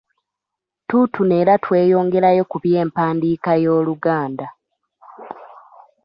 Tuutuno era tweyongerayo ku by’empandiika y’Oluganda.